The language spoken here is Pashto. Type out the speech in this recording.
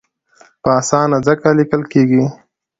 په اسانه ځکه لیکل کېږي.